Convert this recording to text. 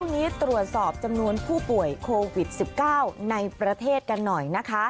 นี้ตรวจสอบจำนวนผู้ป่วยโควิด๑๙ในประเทศกันหน่อยนะคะ